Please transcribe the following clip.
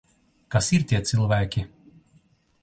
Kas ir tie cilvēki?